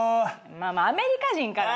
まあまあアメリカ人から。